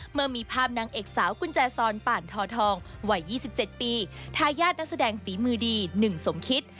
เมื่อมีภาพนางเอกสาวกุญแจซอนป่านทอทองวัย๒๗ปีทายาทนักแสดงฝีมือดีหนึ่งสมคิต